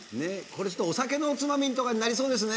お酒のおつまみとかになりそうですね。